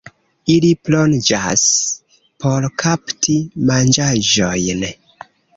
Ili plonĝas por kapti manĝaĵojn.